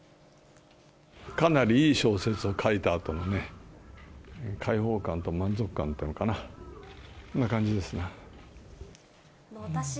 かなりいい小説を書いたあとのね、解放感と満足感というのかな、そんな感じですな。